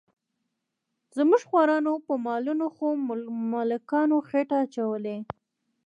زموږ خوارانو په مالونو خو ملکانو خېټه اچولې ده.